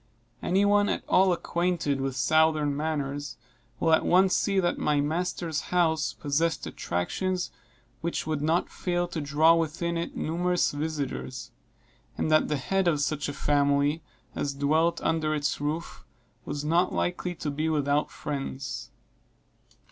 Any one at all acquainted with southern manners, will at once see that my master's house possessed attractions which would not fail to draw within it numerous visiters; and that the head of such a family as dwelt under its roof was not likely to be without friends.